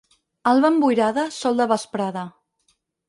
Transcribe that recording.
Alba emboirada, sol de vesprada.